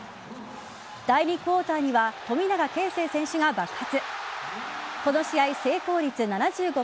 第２クオーターには富永啓生選手が爆発。